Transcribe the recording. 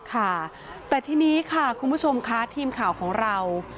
ค่ะแต่ทีนี้ค่ะคุณผู้ชมค่ะทีมข่าวของเรา